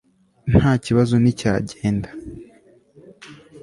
ntakibazo, nticyagenda